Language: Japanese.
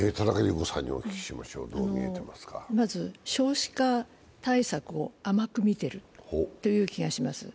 まず少子化対策を甘く見てるという気がします。